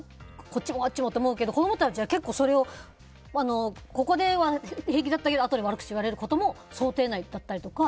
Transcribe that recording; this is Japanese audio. こっちも、あっちもって思うけど子供たちは結構それをここで平気だったけどあとで悪口言われることも想定内だったりとか。